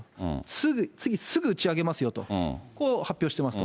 すぐ、次すぐ打ち上げますよと、こう発表してます。